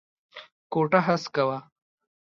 کوټه هسکه وه.